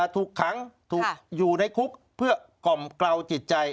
ถูกขังถูกอยู่ในคุกเพื่อกล่อมเกลาจิตใจ